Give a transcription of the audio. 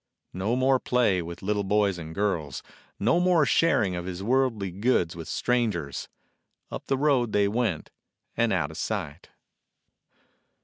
No more play with little boys and girls, no more sharing of his worldly goods with stran gers. Up the road they went and out of sight.